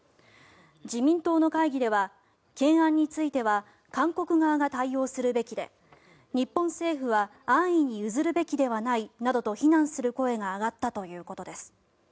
自民党の会議では懸案については韓国側が対応するべきで日本政府は安易に譲るべきではないなどと非難する声が上がったということです。